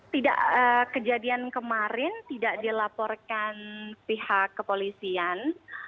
tidak kejadian kemarin tidak dilaporkan pihak kepolisian